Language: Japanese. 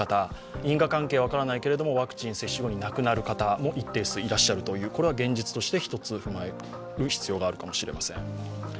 因果関係は分からないけれどワクチン接種後に亡くなる方も一定数いらっしゃることも現実して踏まえる必要があるかもしれません。